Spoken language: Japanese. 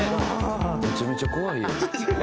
「めちゃめちゃ怖いやん」